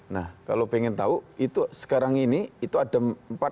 nah kalau ingin tahu itu sekarang ini itu yang ditangkap kpk